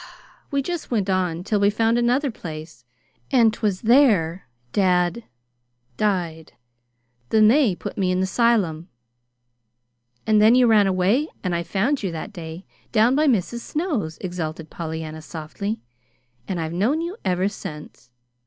"We just went on till we found another place. And 'twas there dad died. Then they put me in the 'sylum." "And then you ran away and I found you that day, down by Mrs. Snow's," exulted Pollyanna, softly. "And I've known you ever since."